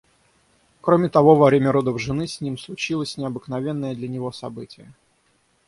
Кроме того, во время родов жены с ним случилось необыкновенное для него событие.